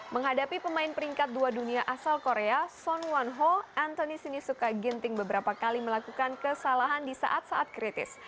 menghadapi pemain peringkat dua dunia asal korea son wanho anthony sinisuka ginting beberapa kali melakukan kesalahan di saat saat kritis